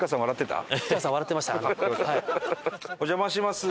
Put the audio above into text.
お邪魔します。